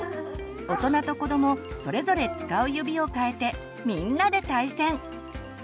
大人と子どもそれぞれ使う指を変えてみんなで対戦！